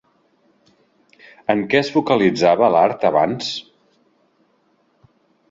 En què es focalitzava l'art abans?